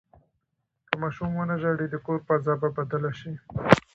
که ماشوم ونه ژاړي، د کور فضا به بدله شي.